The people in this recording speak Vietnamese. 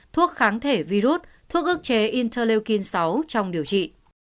thuốc kháng thể virus thuốc ước chế intelukin sáu trong điều trị